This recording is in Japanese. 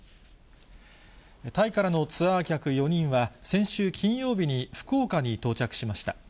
タイからのツアー客４人は、先週金曜日に福岡に到着しました。